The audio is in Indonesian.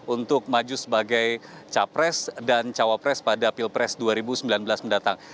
untuk maju sebagai capres dan cawapres pada pilpres dua ribu sembilan belas mendatang